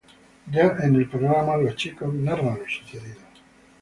Ya en el programa, los chicos narran lo sucedido.